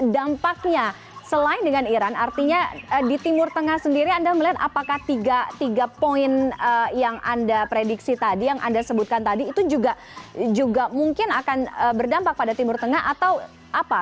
dampaknya selain dengan iran artinya di timur tengah sendiri anda melihat apakah tiga poin yang anda prediksi tadi yang anda sebutkan tadi itu juga mungkin akan berdampak pada timur tengah atau apa